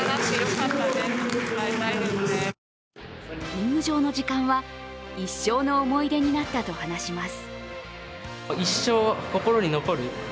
リング上の時間は一生の思い出になったと話します。